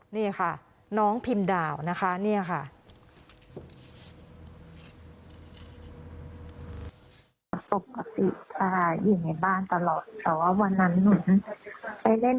นี่ค่ะน้องพิมพ์ดาวนะคะ